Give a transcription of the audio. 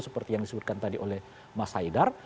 seperti yang disebutkan tadi oleh mas haidar